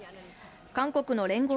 韓国の聯合